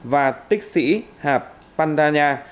và tích sĩ hạp pandanya